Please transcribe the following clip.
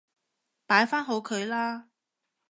擺返好佢啦